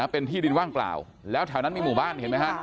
เป็นที่ดินว่างเปล่าแล้วแถวนั้นมีหมู่บ้าน